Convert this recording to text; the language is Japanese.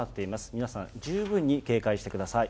皆さん、十分に警戒してください。